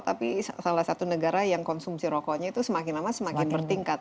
tapi salah satu negara yang konsumsi rokoknya itu semakin lama semakin bertingkat